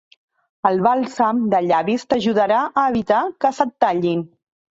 El bàlsam de llavis t'ajudarà a evitar que se't tallin.